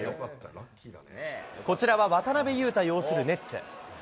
こちらは渡邊雄太擁するネッツ。